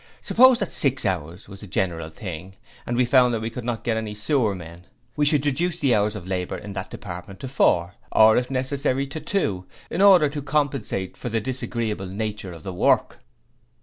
Suppose that six hours was the general thing; and we found that we could not get any sewer men; we should reduce the hours of labour in that department to four, or if necessary to two, in order to compensate for the disagreeable nature of the work.